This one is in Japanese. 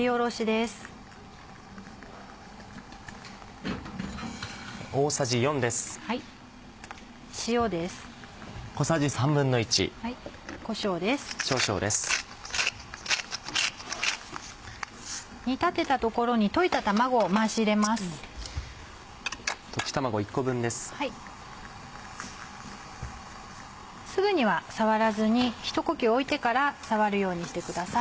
すぐには触らずにひと呼吸置いてから触るようにしてください。